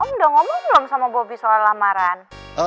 om udah ngomong belum sama bobby soal lamaran